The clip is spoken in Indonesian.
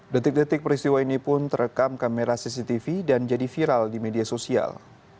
detik detik peristiwa ini pun terekam kamera cctv dan jadi viral di media sosial